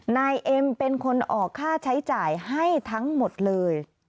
นายเอ็มเป็นคนออกค่าใช้จ่ายให้ทั้งหมดเลย